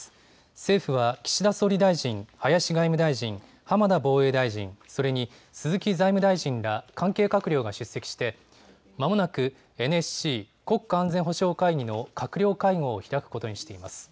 政府は岸田総理大臣、林外務大臣、浜田防衛大臣、それに鈴木財務大臣ら関係閣僚が出席してまもなくＮＳＣ・国家安全保障会議の閣僚会合を開くことにしています。